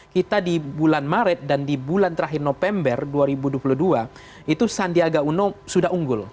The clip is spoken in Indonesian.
kita di bulan maret dan di bulan terakhir november dua ribu dua puluh dua itu sandiaga uno sudah unggul